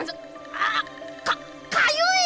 あ！かかゆい！